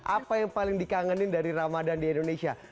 apa yang paling dikangenin dari ramadan di indonesia